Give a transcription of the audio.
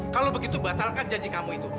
kalau begitu batalkan janji kamu itu